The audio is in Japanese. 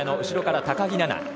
後ろから高木菜那。